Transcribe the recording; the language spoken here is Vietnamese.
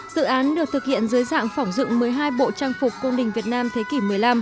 dự án được thực hiện dưới dạng phỏng dựng một mươi hai bộ trang phục cung đình việt nam thế kỷ một mươi năm